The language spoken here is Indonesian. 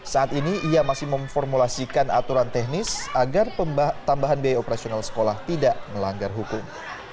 saat ini ia masih memformulasikan aturan teknis agar tambahan biaya operasional sekolah tidak melanggar hukum